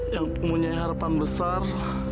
yang mempunyai harapan besar